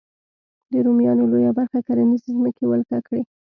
د رومیانو لویه برخه کرنیزې ځمکې ولکه کړې.